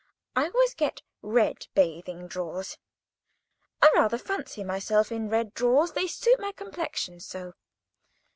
I always get red bathing drawers. I rather fancy myself in red drawers. They suit my complexion so.